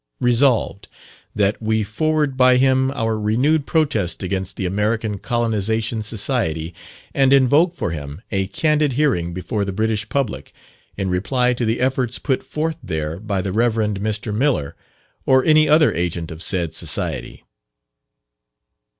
"Resolved, That we forward by him our renewed protest against the American Colonization Society; and invoke for him a candid hearing before the British public, in reply to the efforts put forth there by the Rev. Mr. Miller, or any other agent of said Society."